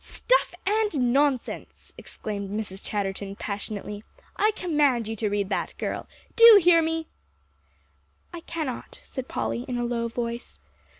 "Stuff and nonsense!" exclaimed Mrs. Chatterton passionately. "I command you to read that, girl. Do you hear me?" "I cannot," said Polly, in a low voice.